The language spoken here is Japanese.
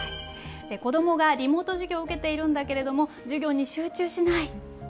子どもがリモート授業を受けているんだけれども、授業に集中しない。